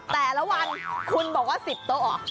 แต่ละวันคุณบอกว่า๑๐โต๊ะออก